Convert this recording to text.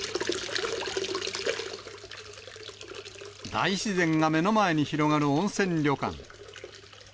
大自然が目の前に広がる温泉旅館。